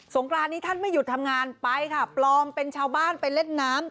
กรานนี้ท่านไม่หยุดทำงานไปค่ะปลอมเป็นชาวบ้านไปเล่นน้ำ